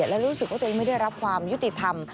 และรู้สึกว่าตัวเองไม่ได้รับความยุติธรรม